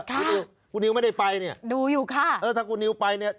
คุณนิวคุณนิวไม่ได้ไปเนี่ยดูอยู่ค่ะเออถ้าคุณนิวไปเนี่ย